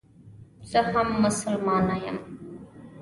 زه هم مسلمانه یم.